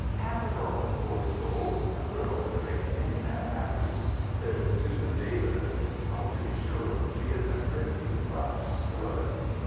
" Capital. Poor soul 1 A girl to make any man ha^^py." There's Susan Davis." To be sure. She isn't pretty, but she's good.